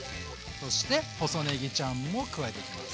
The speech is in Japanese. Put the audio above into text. そして細ねぎちゃんも加えていきます。